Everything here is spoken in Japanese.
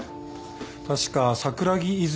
確か桜木泉